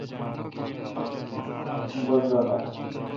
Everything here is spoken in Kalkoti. بٹ رل آ